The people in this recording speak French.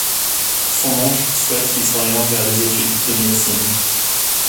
Son oncle souhaite qu'il s'oriente vers des études de médecine.